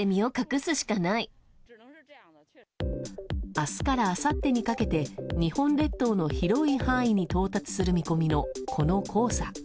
明日からあさってにかけて日本列島の広い範囲に到達する見込みの、この黄砂。